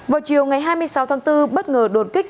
vào chiều ngày hai mươi sáu tháng bốn bất ngờ đột kích